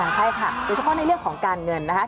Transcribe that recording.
ใช่ค่ะโดยเฉพาะในเรื่องของการเงินนะคะ